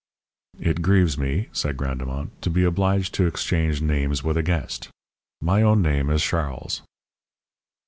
"It grieves me," said Grandemont, "to be obliged to exchange names with a guest. My own name is Charles."